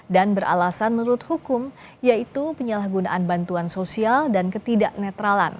dan beralasan menurut hukum yaitu penyalahgunaan bantuan sosial dan ketidaknetralan